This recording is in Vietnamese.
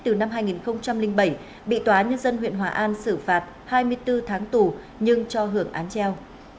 từ năm hai nghìn bảy bị tòa nhân dân huyện hòa an xử phạt hai mươi bốn tháng tù nhưng cho hưởng án treo